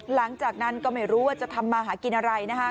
หลังจากนั้นก็ไม่รู้ว่าจะทำมาหากินอะไรนะคะ